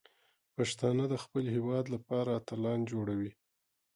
پښتانه د خپل هیواد لپاره اتلان جوړوي.